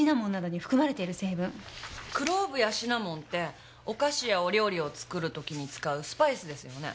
クローブやシナモンってお菓子やお料理を作る時に使うスパイスですよね。